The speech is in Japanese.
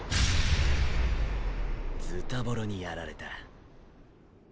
ズタボロにやられた。